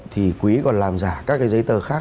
thì quý còn làm giả các cái giấy tờ khác